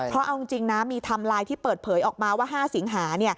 เพราะเอาจริงนะมีไทม์ไลน์ที่เปิดเผยออกมาว่า๕สิงหา